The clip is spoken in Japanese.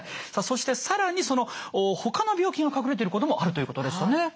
さあそして更に他の病気が隠れていることもあるということでしたね。